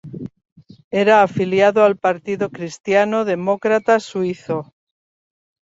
Era afiliado al partido Cristiano Demócrata Suizo.